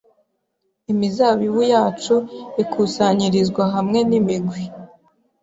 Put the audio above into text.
imizabibu yacu ikusanyirizwa hamwe nimigwi